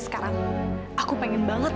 sekarang aku pengen banget